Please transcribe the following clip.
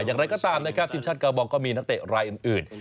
อย่างไรก็ตามนะครับทีมชาติกาบองก็มีนักเตะรายอื่น